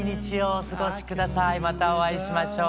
またお会いしましょう。